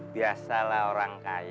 biasalah orang kaya